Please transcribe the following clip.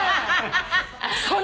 そんな！